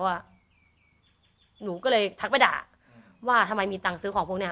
หนูก็เลยทักไปด่าว่าทำไมมีตังค์ซื้อของพวกเนี้ย